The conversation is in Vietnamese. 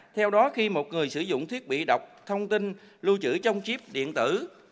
theo đó khi một người sử dụng thiết bị đọc thông tin lưu trữ trong chip điện tử